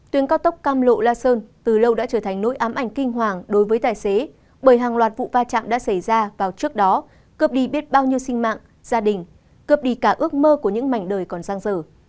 tuyến cao tốc cam lộ la sơn từ lâu đã trở thành nỗi ám ảnh kinh hoàng đối với tài xế bởi hàng loạt vụ va chạm đã xảy ra vào trước đó cướp đi biết bao nhiêu sinh mạng gia đình cướp đi cả ước mơ của những mảnh đời còn giang dở